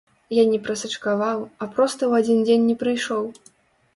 Я не прасачкаваў, а проста ў адзін дзень не прыйшоў.